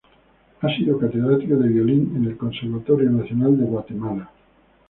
Ha sido catedrático de violín en el Conservatorio Nacional de Guatemala.